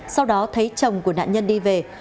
sau đó thấy chồng của nạn nhân đi về